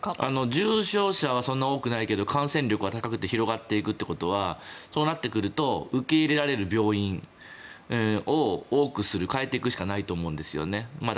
重症者はそんなに多くないけど感染力が高くて広がっていくということはそうなってくると受け入れられる病院を多くする、変えていくしかないと思うんですね。